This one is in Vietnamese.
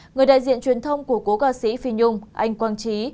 người đại diện truyền thông của cố ca sĩ phi nhung anh quang trí